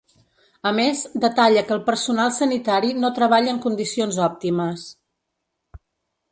A més, detalla que el personal sanitari no treballa en condicions òptimes.